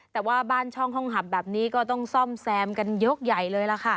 แต่ว่าบ้านช่องห้องหับแบบนี้ก็ต้องซ่อมแซมกันยกใหญ่เลยล่ะค่ะ